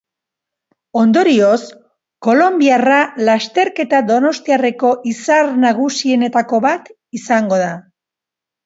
Ondorioz, kolonbiarra lasterketa donostiarreko izar nagusienetako bat izango da.